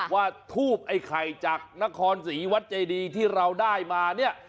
ว่าทูบไอ้ไข่จากนครศรีวัดเจดีที่เราได้มาเนี่ย